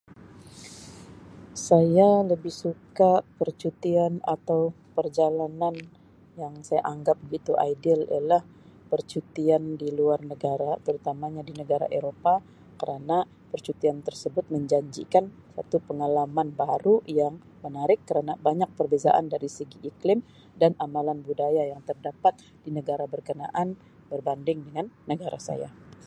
Saya lebih suka percutian atau perjalanan yang saya anggap begitu ideal ialah percutian di luar negara terutamanya di negara Eropah kerana percutian tersebut menjanjikan satu pengalaman baharu yang menarik kerana banyak perbezaan dari segi iklim dan amalan budaya yang terdapat di negara berkenaan berbanding dengan negara saya.